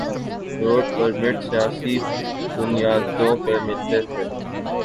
Route permit سیاسی بنیادوں پہ ملتے تھے۔